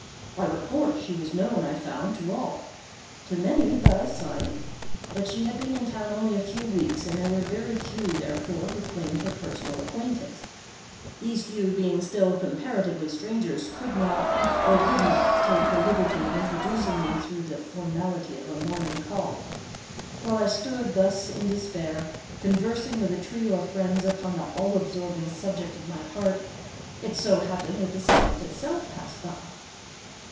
By report she was known, I found, to all—to many by sight—but she had been in town only a few weeks, and there were very few, therefore, who claimed her personal acquaintance. These few, being still comparatively strangers, could not, or would not, take the liberty of introducing me through the formality of a morning call. While I stood thus in despair, conversing with a trio of friends upon the all absorbing subject of my heart, it so happened that the subject itself passed by.